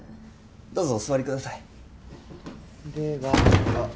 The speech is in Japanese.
どうぞお座りください